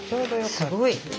すごい。